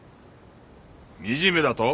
惨めだと？